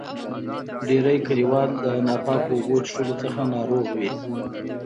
ډیری کلیوال د ناپاکو اوبو چیښلو څخه ناروغ وي.